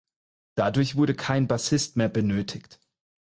Dadurch wurde kein Bassist mehr benötigt.